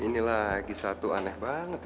ini lagi satu aneh banget